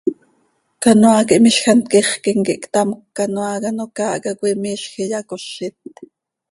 Canoaa quih miizj hant quixquim quih ctamcö canoaa quih ano caahca coi miizj iyacozit.